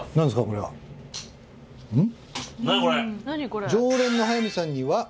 これは。うん？